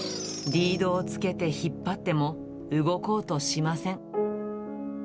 リードをつけて引っ張っても動こうとしません。